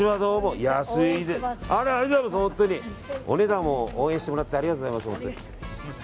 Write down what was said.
お値段も応援してもらってありがとうございます。